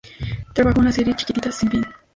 Trabajó en la serie "Chiquititas sin fin.